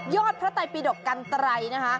ยอดพระไตปิดกันไตร